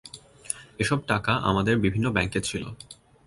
এসব টাকা আমাদের বিভিন্ন ব্যাংকে ছিল।